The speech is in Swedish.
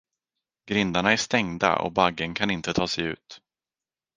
Grindarna är stängda och baggen kan inte ta sig ut.